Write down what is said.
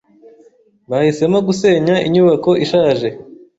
Bahisemo gusenya inyubako ishaje.